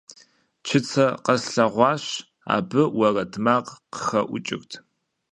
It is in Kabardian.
Чыцэ къэслъэгъуащ, абы уэрэд макъ къыхэӀукӀырт.